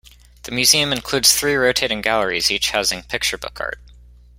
The museum includes three rotating galleries, each housing picture book art.